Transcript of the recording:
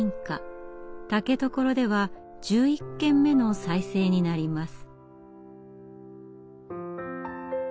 竹所では１１軒目の再生になります。